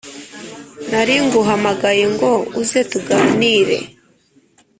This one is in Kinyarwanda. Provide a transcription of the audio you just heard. naringuhamagaye ngo uze tuganire”